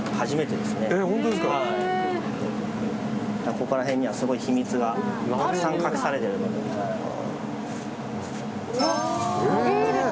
ここらへんにはすごい秘密がたくさん隠されています。